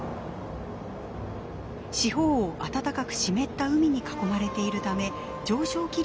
四方を暖かく湿った海に囲まれているため上昇気流が起こりやすいのです。